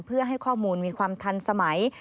เพื่อให้ข้อมูลมีความทันสมัย